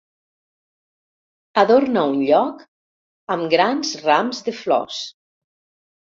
Adorna un lloc amb grans rams de flors.